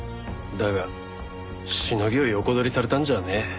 だがシノギを横取りされたんじゃねえ。